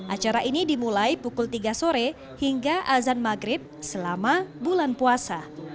acara ini dimulai pukul tiga sore hingga azan maghrib selama bulan puasa